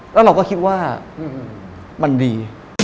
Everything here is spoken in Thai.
แล้วเราก็คิดว่ามันดี